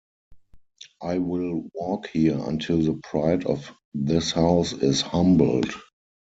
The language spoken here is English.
I will walk here until the pride of this house is humbled.